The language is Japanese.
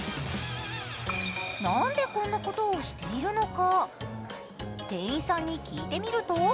なんでこんなことをしているのか？